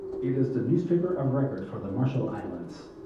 It is the newspaper of record for the Marshall Islands.